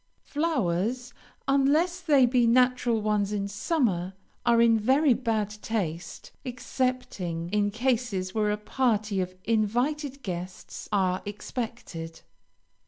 Flowers, unless they be natural ones in summer, are in very bad taste, excepting in cases where a party of invited guests are expected.